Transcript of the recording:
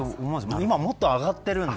今もっと上がってるんで。